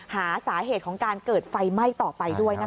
หาสาเหตุของการเกิดไฟไหม้ต่อไปด้วยนะคะ